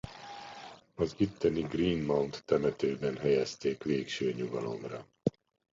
Az itteni Greenmount temetőben helyezték végső nyugalomra.